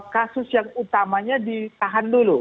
kasus yang utamanya ditahan dulu